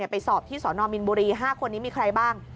ไปสอบที่สนมินบุรี๕คนนี้มีใครบ้าง